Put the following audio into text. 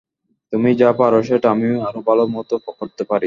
তুমি যা পার, সেটা আমি আরও ভালো মতো করতে পারি।